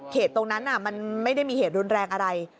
ตรงนั้นมันไม่ได้มีเหตุรุนแรงอะไร